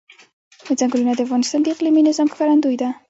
چنګلونه د افغانستان د اقلیمي نظام ښکارندوی ده.